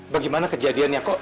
bagaimana kejadiannya kok